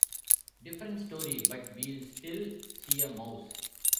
Different story, but we'll still see a mouse.